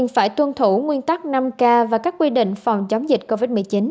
phải tuân thủ nguyên tắc năm k và các quy định phòng chống dịch covid một mươi chín